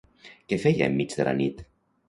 Què feia en mig de la nit?